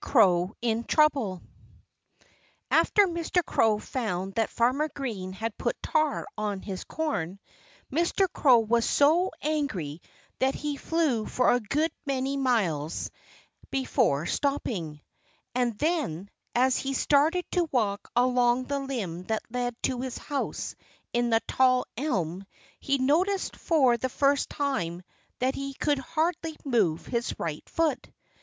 CROW IN TROUBLE After Mr. Crow found that Farmer Green had put tar on his corn, Mr. Crow was so angry that he flew for a good many miles before stopping. And then, as he started to walk along the limb that lead to his house in the tall elm, he noticed for the first time that he could hardly move his right foot.